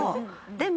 でも。